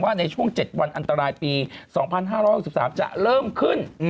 ในช่วง๗วันอันตรายปี๒๕๖๓จะเริ่มขึ้น